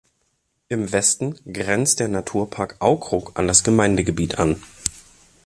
Im Westen grenzt der Naturpark Aukrug an das Gemeindegebiet an.